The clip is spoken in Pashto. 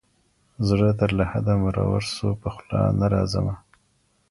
زړه تر لحده مرور سو پخلا نه راځمه